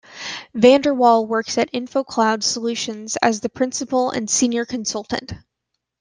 Vander Wal works at InfoCloud Solutions as the Principal and Senior Consultant.